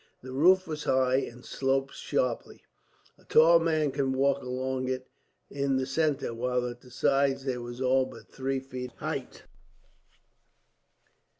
The roof was high, and sloped sharply. A tall man could walk along in the centre, while at the sides there was but three feet of height.